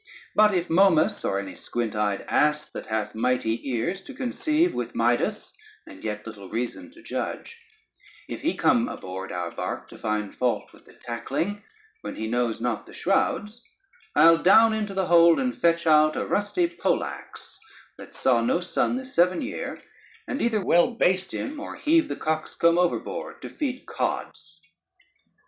But if Momus or any squint eyed ass, that hath mighty ears to conceive with Midas, and yet little reason to judge; if he come aboard our bark to find fault with the tackling, when he knows not the shrouds, I'll down into the hold, and fetch out a rusty pole axe, that saw no sun this seven year, and either well baste him, or heave the coxcomb overboard to feed cods.